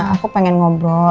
aku pengen ngobrol